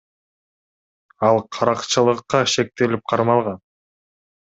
Ал каракчылыкка шектелип кармалган.